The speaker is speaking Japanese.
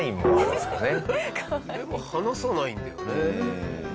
でも離さないんだよね。